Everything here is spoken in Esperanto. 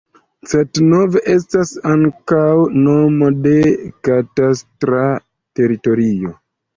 Cetnov estas ankaŭ nomo de katastra teritorio.